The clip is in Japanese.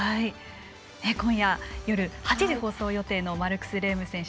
今夜８時放送予定のマルクス・レーム選手